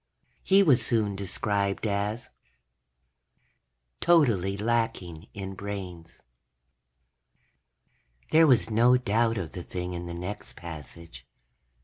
He was soon described as: ... totally lacking in brains. There was no doubt of the thing in the next passage.